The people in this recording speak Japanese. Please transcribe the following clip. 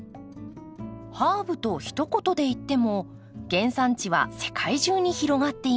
ハーブとひと言で言っても原産地は世界中に広がっています。